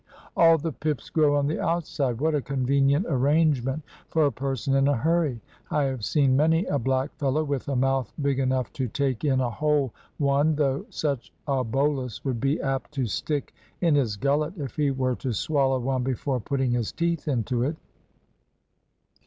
"All the pips grow on the outside. What a convenient arrangement for a person in a hurry! I have seen many a black fellow with a mouth big enough to take in a whole one, though such a bolus would be apt to stick in his gullet if he were to swallow one before putting his teeth into it."